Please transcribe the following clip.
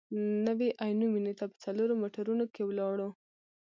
نوي عینو مېنې ته په څلورو موټرونو کې ولاړو.